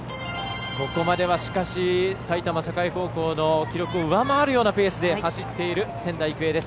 ここまでは、埼玉栄高校の記録を上回るようなペースで走っている仙台育英です。